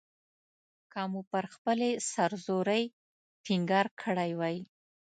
که مو پر خپلې سر زورۍ ټینګار کړی وای.